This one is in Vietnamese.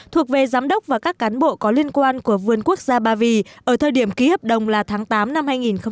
thuộc về giám đốc và các cán bộ có liên quan của vườn quốc gia ba vì ở thời điểm ký hợp đồng là tháng tám năm hai nghìn một mươi bảy